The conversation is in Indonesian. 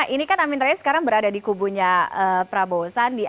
ini kan amin rais sekarang berada di kubunya prabowo sandi